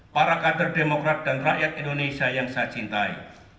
para kader demokrat dan rakyat indonesia yang saya cintai